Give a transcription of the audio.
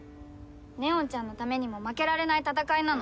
祢音ちゃんのためにも負けられない戦いなの。